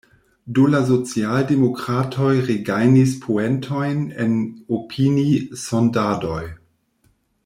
Do la socialdemokratoj regajnis poentojn en opini-sondadoj.